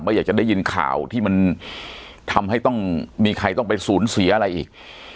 อยากจะได้ยินข่าวที่มันทำให้ต้องมีใครต้องไปสูญเสียอะไรอีก